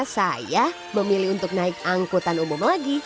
saya memilih untuk naik angkutan umum lagi